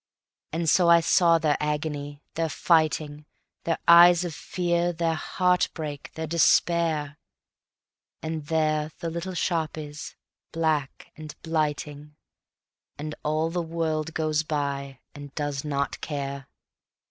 And so I saw their agony, their fighting, Their eyes of fear, their heartbreak, their despair; And there the little shop is, black and blighting, And all the world goes by and does not care.